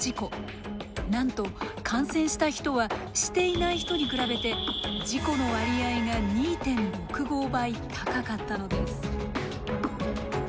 なんと感染した人はしていない人に比べて事故の割合が２．６５倍高かったのです。